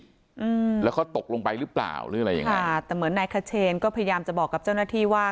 อืมแล้วเขาตกลงไปหรือเปล่าหรืออะไรยังไงอ่าแต่เหมือนนายขเชนก็พยายามจะบอกกับเจ้าหน้าที่ว่า